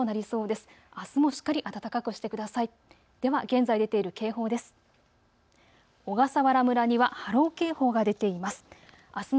では現在出ている警報です。